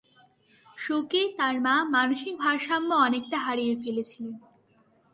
শোকে তার মা মানসিক ভারসাম্য অনেকটা হারিয়ে ফেলেছিলেন।